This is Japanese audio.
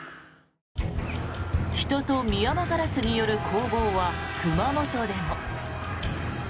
人とミヤマガラスによる攻防は熊本でも。